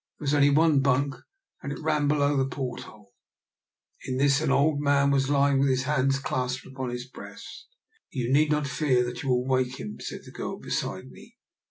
There was only one bunk, and it ran below the port hole. In this an old man was lying with his hands clasped upon his breast. " You need not fear that you will wake him," said the girl beside me.